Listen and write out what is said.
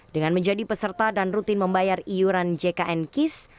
dengan menjadi peserta dan rutin membayar iuran jknkis